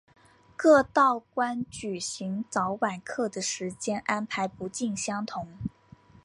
各道观举行早晚课的时间安排不尽相同。